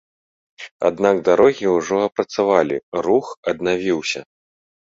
Аднак дарогі ўжо апрацавалі, рух аднавіўся.